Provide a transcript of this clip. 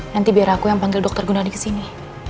nanti biar aku yang panggil dokter gunani kesini